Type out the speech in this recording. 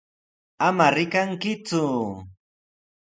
¡Ama rikankiku!